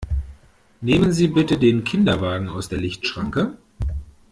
Nehmen Sie bitte den Kinderwagen aus der Lichtschranke!